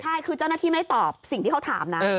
ใช่คือเจ้าหน้าที่ไม่ตอบสิ่งที่เขาถามนะ